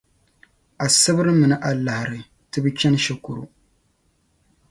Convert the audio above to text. Asibri mini Alahiri, ti bi chani shikuru.